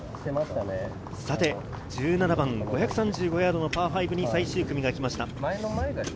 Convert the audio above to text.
１７番、５３５ヤードのパー５に最終組がきました。